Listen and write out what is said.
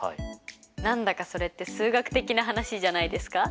何だかそれって数学的な話じゃないですか？